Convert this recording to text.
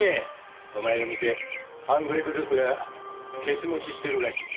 お前の店半グレグループがケツ持ちしてるらしいな。